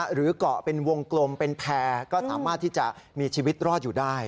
หรือเกาะเป็นวงกลมเป็นแพร่ก็สามารถที่จะมีชีวิตรอดอยู่ได้